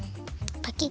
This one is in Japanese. パキッ！